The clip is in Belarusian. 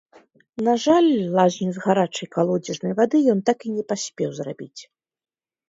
На жаль, лазню з гарачай калодзежнай вады ён так і не паспеў зрабіць.